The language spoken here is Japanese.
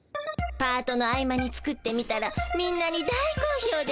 パートの合間に作ってみたらみんなに大こうひょうでね。